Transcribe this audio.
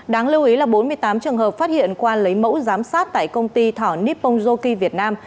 đáng lưu ý là bốn mươi tám trường hợp phát hiện qua lấy mẫu giám sát tại công ty thỏ nippon joki việt nam